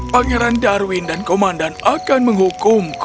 pangeran darwin dan komandan akan menghukumku